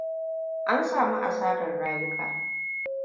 An samu asarar rayuka.